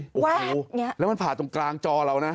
โอ้โหแล้วมันผ่าตรงกลางจอเรานะ